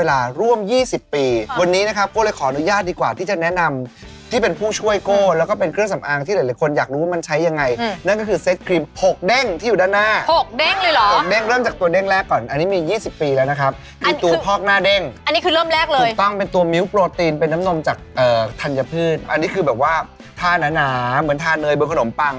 อันนี้คือแบบว่าทาหนาเหมือนทาเนยบนขนมปัง